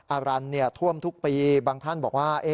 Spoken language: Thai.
อารันท่วมทุกปีบางท่านบอกว่า